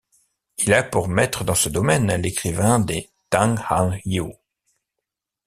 Il a pour maître dans ce domaine l'écrivain des Tang Han Yu.